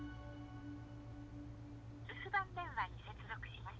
留守番電話に接続します。